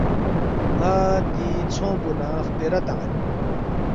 ن٘ا دِی ژھونگپو نہ خپیرا تان٘ید